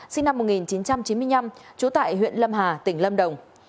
sinh năm một nghìn chín trăm chín mươi năm trú tại huyện lâm hà tỉnh lâm đồng